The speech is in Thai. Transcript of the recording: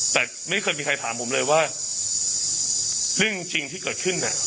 แต่ไม่เคยมีใครถามผมเลยว่าเรื่องจริงที่เกิดขึ้นน่ะ